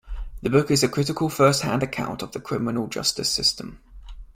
The book is a critical first hand account of the criminal justice system.